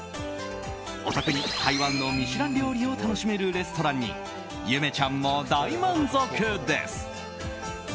お得に台湾のミシュラン料理を楽しめるレストランにゆめちゃんも大満足です。